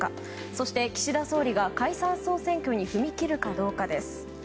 そして岸田総理が解散・総選挙に踏み切るかどうかです。